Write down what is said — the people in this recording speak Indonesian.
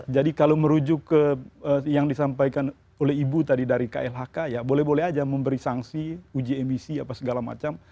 kalau merujuk ke yang disampaikan oleh ibu tadi dari klhk ya boleh boleh aja memberi sanksi uji emisi apa segala macam